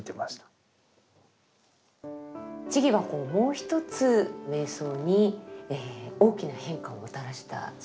智はもう一つ瞑想に大きな変化をもたらしたそうですね。